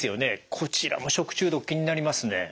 こちらも食中毒気になりますね。